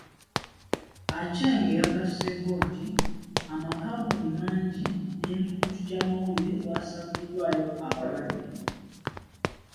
Aceng yagasseeko nti, amakampuni mangi n’emikutu gy’amawulire wasangiddwayo abalwadde.